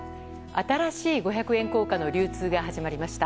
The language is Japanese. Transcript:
新しい五百円硬貨の流通が始まりました。